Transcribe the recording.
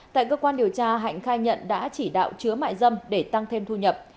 tại cơ quan điều tra hạnh khai nhận đã chỉ đạo chứa mại dâm để tăng thêm thu nhập